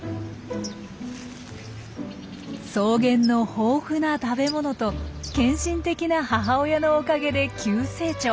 草原の豊富な食べ物と献身的な母親のおかげで急成長。